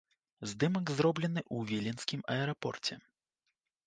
Здымак зроблены ў віленскім аэрапорце.